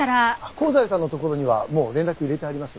香西さんのところにはもう連絡入れてあります。